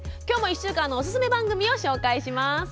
きょうも１週間のおすすめ番組を紹介します。